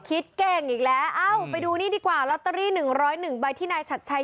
คิดเก่งอีกแล้วเอ้าไปดูนี่ดีกว่าลอตเตอรี่๑๐๑ใบที่นายชัดชัย